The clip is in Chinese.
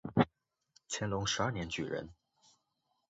乾隆十二年举人。